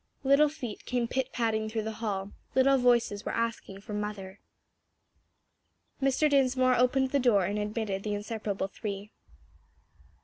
Little feet came pitpatting through the hall, little voices were asking for mother. Mr. Dinsmore opened the door and admitted the inseparable three.